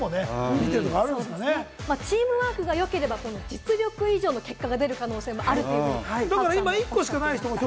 チームワークがよければ、実力以上の結果が出る可能性もあるというふうに話していました。